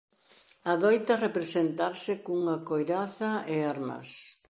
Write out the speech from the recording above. Adoita representarse cunha coiraza e armas.